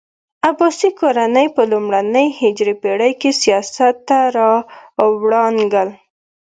عباسي کورنۍ په لومړنۍ هجري پېړۍ کې سیاست ته راوړانګل.